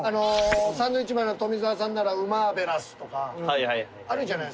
サンドウィッチマンの富澤さんなら「ウマーベラス」とかあるじゃないですか。